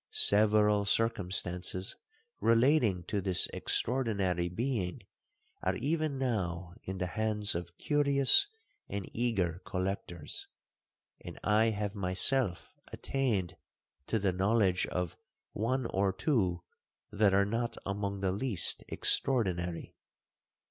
Several circumstances relating to this extraordinary being are even now in the hands of curious and eager collectors; and I have myself attained to the knowledge of one or two that are not among the least extraordinary.